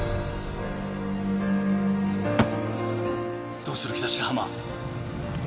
どうする気だ白浜